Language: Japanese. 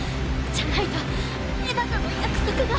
じゃないとエヴァとの約束が。